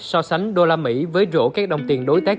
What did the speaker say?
chỉ số usd index so sánh usd với rổ các đồng tiền đối tác